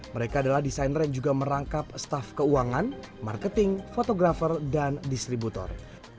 mereka adalah desainer yang juga merangkap staff keuangan marketing fotografer dan distributor